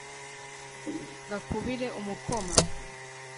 gakubire umukoma